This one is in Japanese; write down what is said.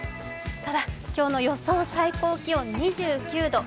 ただ、今日の予想最高気温２９度。